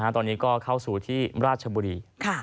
ตอนนี้ก็เข้าสู่ที่ราชบุรี